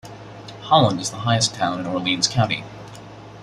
Holland is the highest town in Orleans County.